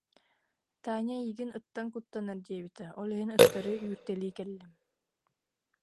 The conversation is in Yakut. Таня эйигин ыттан куттанар диэбитэ, ол иһин ыттары үүртэлии кэллим